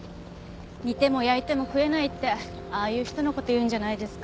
煮ても焼いても食えないってああいう人の事言うんじゃないですか。